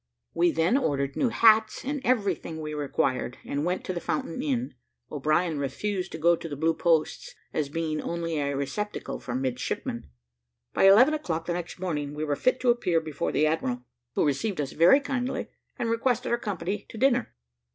We then ordered new hats, and everything we required, and went to the Fountain inn. O'Brien refused to go to the Blue Posts, as being only a receptacle for midshipmen. By eleven o'clock the next morning, we were fit to appear before the admiral, who received us very kindly, and requested our company to dinner.